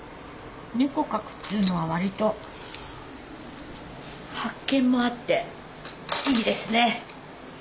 猫描くっていうのは割と発見もあっていいですね。